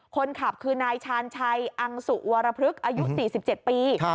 คนขับคือนายชาญชัยอังสุวรพฤกษ์อายุ๔๗ปี